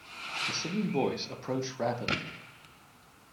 The singing voice approached rapidly.